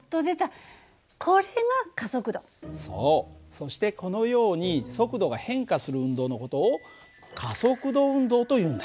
そしてこのように速度が変化する運動の事を加速度運動というんだ。